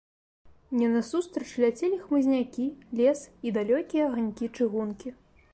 Мне насустрач ляцелі хмызнякі, лес і далёкія аганькі чыгункі.